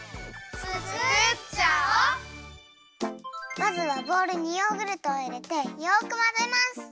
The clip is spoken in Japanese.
まずはボウルにヨーグルトをいれてよくまぜます。